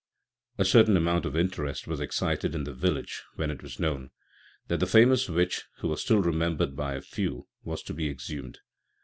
A certain amount of interest was excited in the village when it was known that the famous witch, who was still remembered by a few, was to be exhumed.